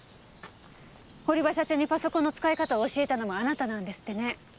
堀場社長にパソコンの使い方を教えたのもあなたなんですってね。